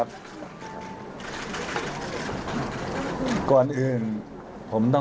พร้อมแล้วเลยค่ะ